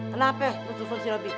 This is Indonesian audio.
kenapa ya menutup rumput si robby